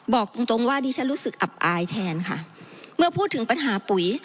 บอกตรงตรงว่าดิฉันรู้สึกอับอายแทนค่ะเมื่อพูดถึงปัญหาปุ๋ย